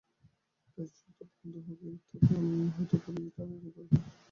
Pension তো বন্ধ হবেই, হয়তো পুলিসে টানাটানি করবে।